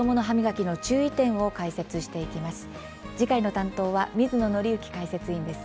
担当は水野倫之解説委員です。